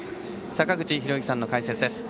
坂口裕之さんの解説です。